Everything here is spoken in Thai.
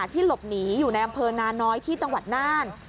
ที่หลบหนีอยู่ในอำเภอนาน้อยที่จังหวัดน่าน